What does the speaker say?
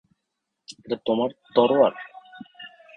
এটা তোমার তরোয়ার?